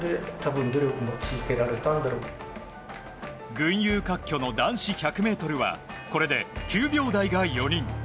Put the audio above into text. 群雄割拠の男子１００ｍはこれで９秒台が４人。